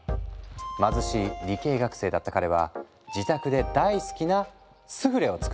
貧しい理系学生だった彼は自宅で大好きなスフレを作っていた。